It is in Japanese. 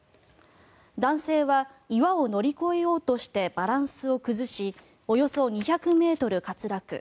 男性は岩を乗り越えようとしてバランスを崩しおよそ２００ｍ滑落。